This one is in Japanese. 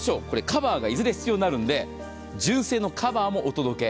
カバーがいずれ必要になるので、純正のカバーもお届け。